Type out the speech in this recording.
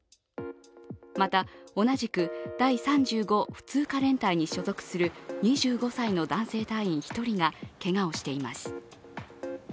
また同じく第３５普通科連隊に所属する２５歳の男性隊員１人がけがをしています。